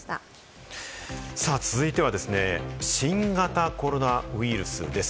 さあ、続いては新型コロナウイルスです。